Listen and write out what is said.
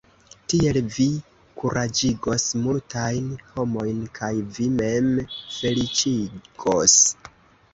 Tiel vi kuraĝigos multajn homojn kaj vin mem feliĉigos.